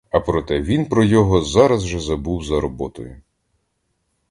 А проте він про його зараз же забув за роботою.